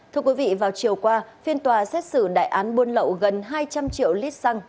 thưa quý vị vào chiều qua phiên tòa xét xử đại án buôn lậu gần hai trăm linh triệu lít xăng